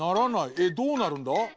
えっどうなるんだ？